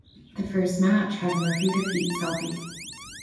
The first match had Murphy defeat Selby.